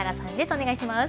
お願いします。